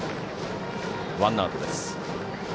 ワンアウトです。